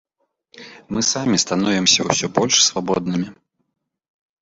Мы самі становімся ўсё больш свабоднымі.